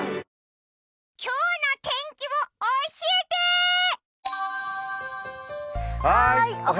今日の天気を教えてー！